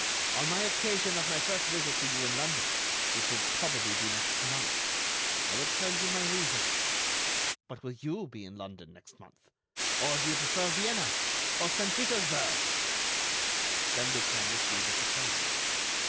On my occasion of my first visit to you in London—which will probably be next month—I will tell you my reasons. But will you be in London next month? Or do you prefer Vienna? Or Saint Petersburg?" Then Lupin received a surprise.